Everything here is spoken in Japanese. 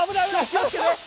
気をつけて！